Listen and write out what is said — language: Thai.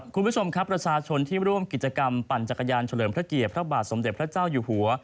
คุณผู้ชมครับประชาชนที่ร่วมกิจกรรมปั่นจักรยานเฉลิมพระเกียรติพระบาทสมเด็จพระเจ้าอยู่หัว